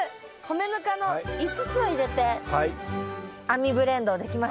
米ぬかの５つを入れて亜美ブレンドできました。